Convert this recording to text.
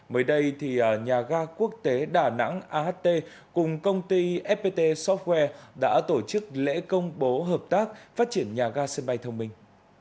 mới đây nhà ga quốc tế đà nẵng aht cùng công ty fpt software đã tổ chức lễ công bố hợp tác phát triển nhà ga sân bay thông minh